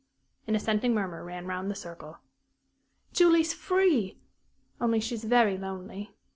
An assenting murmur ran round the circle. "Julie's free! Only she's very lonely.